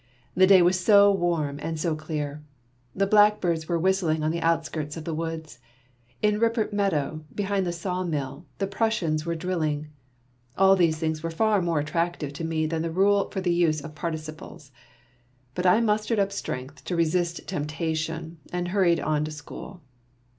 The day was so warm, so clear ! The blackbirds were whistling on the outskirts of the woods. In Rippert Meadow, behind the sawmill, the Prus sians were drilling. All these things were far more attractive to me than the rule for the use of participles. But I mustered up strength to resist temptation, and hurried on to school.